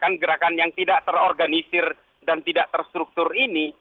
gerakan gerakan yang tidak terorganisir dan tidak terstruktur ini